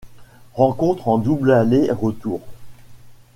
Rencontres en double aller-retour.